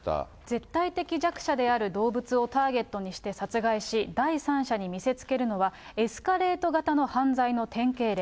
絶対的弱者である動物をターゲットにして殺害し、第三者に見せつけるのは、エスカレート型の犯罪の典型例。